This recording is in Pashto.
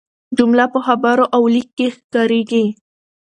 جمله په خبرو او لیک کښي کاریږي.